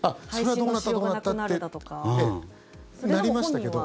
それは、どうなったどうなったってなりましたけど。